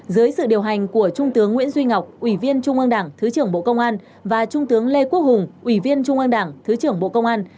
dưới sự điều hành của trung tướng nguyễn duy ngọc ủy viên trung ương đảng thứ trưởng bộ công an và trung tướng lê quốc hùng ủy viên trung ương đảng thứ trưởng bộ công an